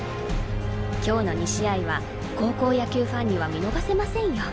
今日の２試合は高校野球ファンには見逃せませんよ。